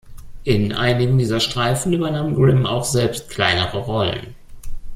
In einigen dieser Streifen übernahm Grimm auch selbst kleinere Rollen.